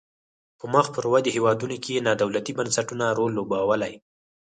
په مخ پر ودې هیوادونو کې نا دولتي بنسټونو رول لوبولای.